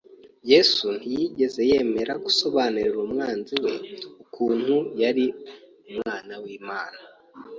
Yesu ntiyigeze yemera gusobanurira umwanzi we ukuntu yari umwana w’Imana